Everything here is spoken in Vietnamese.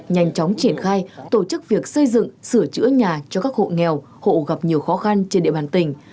nhanh chóng triển khai tổ chức việc xây dựng sửa chữa nhà cho các hộ nghèo hộ gặp nhiều khó khăn trên địa bàn tỉnh